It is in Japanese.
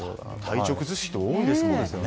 体調崩す人多いですもんね。